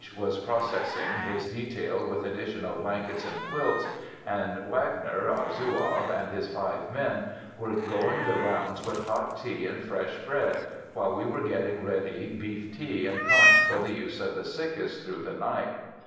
was "processing" his detail with additional blankets and quilts; and Wagner, our Zouave, and his five men, were going the rounds with hot tea and fresh bread, while we were getting ready beef tea and punch for the use of the sickest through the night.